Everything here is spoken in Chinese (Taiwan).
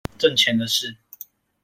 掙錢的事